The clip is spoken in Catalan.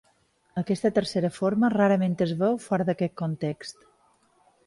Aquesta tercera forma rarament es veu fora d'aquest context.